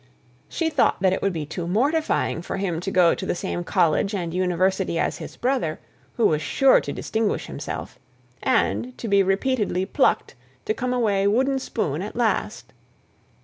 She thought that it would be too mortifying for him to go to the same college and university as his brother, who was sure to distinguish himself and, to be repeatedly plucked, to come away wooden spoon at last.